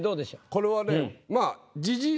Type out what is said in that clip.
これはね